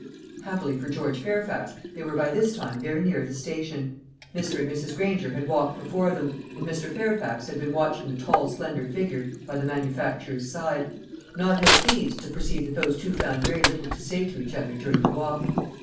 Happily for George Fairfax, they were by this time very near the station. Mr. and Mrs. Granger had walked before them, and Mr. Fairfax had been watching the tall slender figure by the manufacturer's side, not ill pleased to perceive that those two found very little to say to each other during the walk.